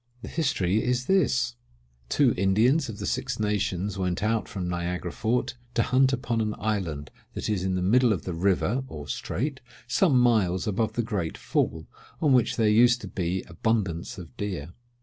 The history is this:—Two Indians of the Six Nations went out from Niagara Fort to hunt upon an island that is in the middle of the river, or strait, some miles above the great Fall, on which there used to be abundance of deer.